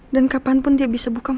dan kapanpun dia bisa buka mulut